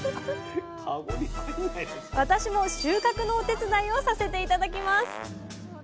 私も収穫のお手伝いをさせて頂きます。